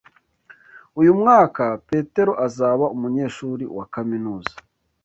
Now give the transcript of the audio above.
Uyu mwaka Petero azaba umunyeshuri wa kaminuza.